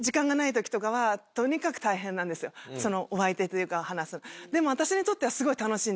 そのお相手というか話す。